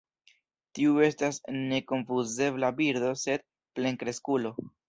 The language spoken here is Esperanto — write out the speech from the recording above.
Tiu estas nekonfuzebla birdo se plenkreskulo.